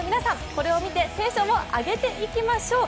これを見てテンションを上げていきましょう！